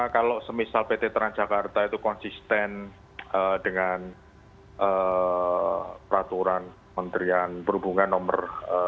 kalau misal pt transjakarta itu konsisten dengan peraturan menterian berhubungan nomor delapan puluh lima